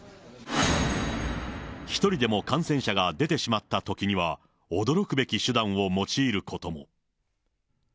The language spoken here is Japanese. １人でも感染者が出てしまったときには、驚くべき手段を用いることも。